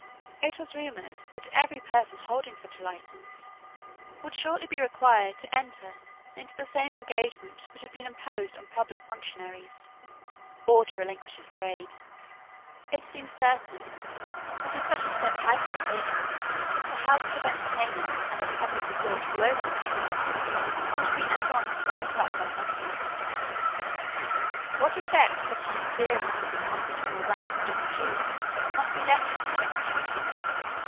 It was rumoured that every person holding such a license would shortly be required to enter into the same engagements which had been imposed on public functionaries, or to relinquish his trade. It seems certain that, if such a step had been taken, the houses of entertainment and of public resort all over the kingdom would have been at once shut up by hundreds. What effect such an interference with the comfort of all ranks would have produced must be left to conjecture.